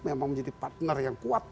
memang menjadi partner yang kuat